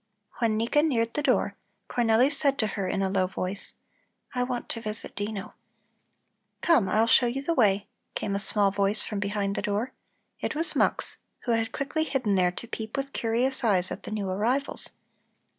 When Nika neared the door, Cornelli said to her in a low voice: "I want to visit Dino." "Come, I'll show you the way," came a small voice from behind the door. It was Mux, who had quickly hidden there to peep with curious eyes at the new arrivals.